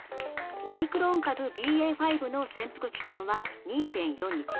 オミクロン株ＢＡ．５の潜伏期間は２．４日。